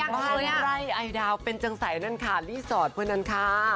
บ้านไร่ไอดาวเป็นจังใสนั่นค่ะรีสอร์ทเมื่อนั้นค่ะ